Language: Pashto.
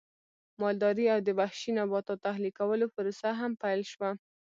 مالدارۍ او د وحشي نباتاتو اهلي کولو پروسه هم پیل شوه